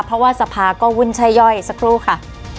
เพราะว่าสภาก็วุ่นช่าย่อยสักครู่ค่ะ